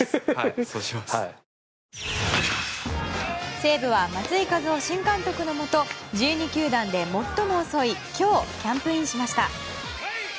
西武は松井稼頭央新監督のもと１２球団で最も遅い今日キャンプインしました。